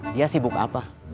dia sibuk apa